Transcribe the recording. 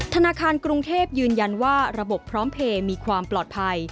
ธนาคารกรุงเทพยืนยันว่าระบบพร้อมเพลย์มีความปลอดภัย